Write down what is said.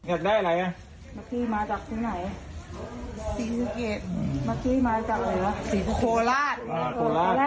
เอาลองสิ